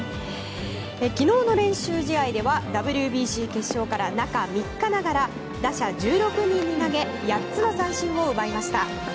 昨日の練習試合ではＷＢＣ決勝から中３日ながら打者１６人に投げ８つの三振を奪いました。